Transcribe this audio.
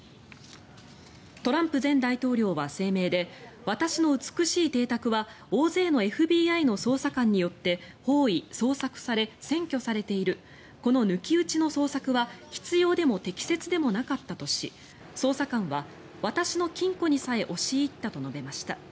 トランプ前大統領は声明で私の美しい邸宅は大勢のＦＢＩの捜査官によって包囲・捜索され、占拠されているこの抜き打ちの捜索は必要でも適切でもなかったとし捜査官は私の金庫にさえ押し入ったと述べました。